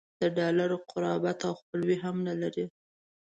د ډالر قربت او خپلوي هم نه لري.